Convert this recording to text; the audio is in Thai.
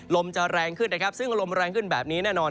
ลมจะแรงขึ้นนะครับซึ่งลมแรงขึ้นแบบนี้แน่นอน